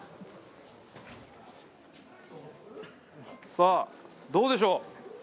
さあどうでしょう？